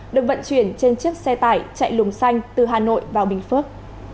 được vận chuyển trên chiếc xe tải chạy lùng xanh từ hà nội vào bình phước